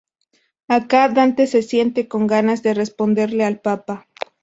Acá Dante se siente con ganas de responderle al Papa.